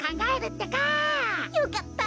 よかった！